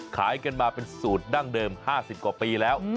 ขายกันมาเป็นสูตรดั้งเดิม๕๐กว่าปีแล้ว